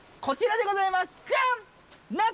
こちらでございますジャン！